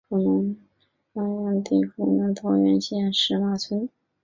湖南擂茶则可能发源于湖南桃源县马石村。